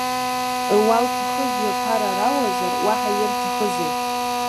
Руалқәа хызҩо аԥара рауазар, уаҳа ирҭахызеи?